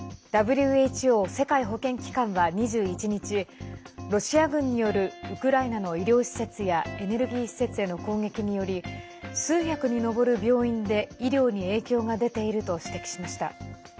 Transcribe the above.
ＷＨＯ＝世界保健機関は２１日ロシア軍によるウクライナの医療施設やエネルギー施設への攻撃により数百に上る病院で、医療に影響が出ていると指摘しました。